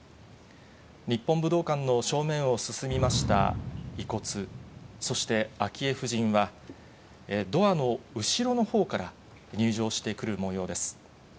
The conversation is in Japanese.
日本武道館の正面を進みました遺骨、そして昭恵夫人は、ドアの後ろのほうから、入場してくるもようです。